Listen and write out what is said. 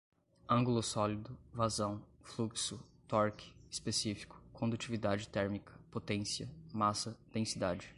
ângulo sólido, vazão, fluxo, torque, específico, condutividade térmica, potência, massa, densidade